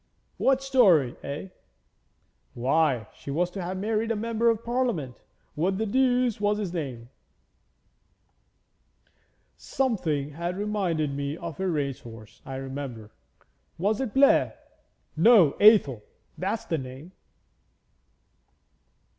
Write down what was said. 'What story, eh?' 'Why, she was to have married a Member of Parliament; what the deuce was his name? Something that reminded me of a race horse, I remember. Was it Blair? No Athel! That's the name.'